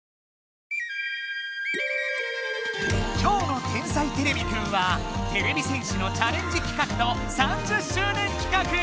今日の「天才てれびくん」はてれび戦士のチャレンジ企画と３０周年企画！